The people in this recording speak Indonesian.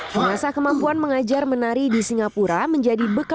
merasa kemampuan mengajar menari di singapura menjadi suatu keuntungan